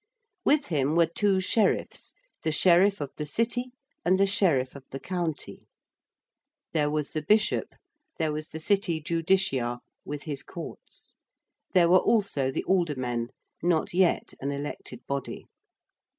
With him were two Sheriffs, the Sheriff of the City and the Sheriff of the County. There was the Bishop: there was the City Justiciar with his courts. There were also the Aldermen, not yet an elected body.